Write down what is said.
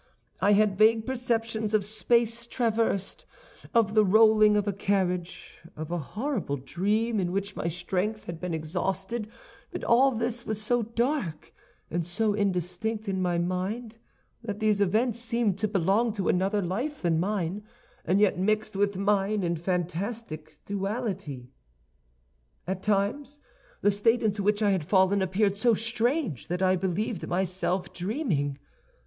I had vague perceptions of space traversed, of the rolling of a carriage, of a horrible dream in which my strength had become exhausted; but all this was so dark and so indistinct in my mind that these events seemed to belong to another life than mine, and yet mixed with mine in fantastic duality. "At times the state into which I had fallen appeared so strange that I believed myself dreaming.